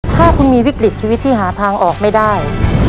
ถ้าคุณมีวิกฤตชีวิตที่หาทางออกไม่ได้